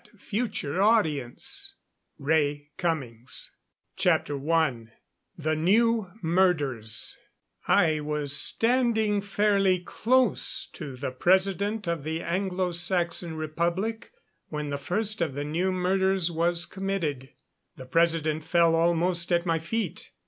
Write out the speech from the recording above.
Battle TARRANO THE CONQUEROR CHAPTER I The New Murders I was standing fairly close to the President of the Anglo Saxon Republic when the first of the new murders was committed. The President fell almost at my feet.